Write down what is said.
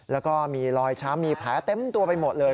แล้วก็มีรอยช้ำมีแผลเต็มตัวไปหมดเลย